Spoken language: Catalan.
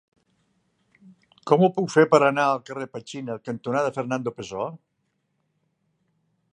Com ho puc fer per anar al carrer Petxina cantonada Fernando Pessoa?